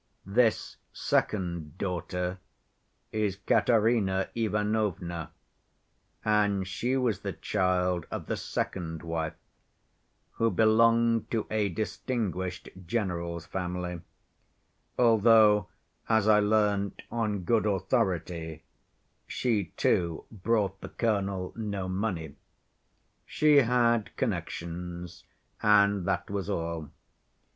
This second daughter is Katerina Ivanovna, and she was the child of the second wife, who belonged to a distinguished general's family; although, as I learnt on good authority, she too brought the colonel no money. She had connections, and that was all.